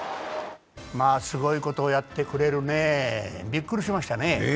すごいことをやってくれるね、びっくりしましたね。